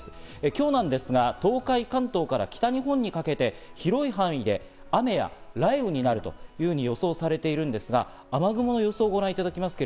今日なんですが東海、関東、北日本にかけて広い範囲で雨や雷雨になるというふうに予想されているんですが、雨雲の予想をご覧いただきます。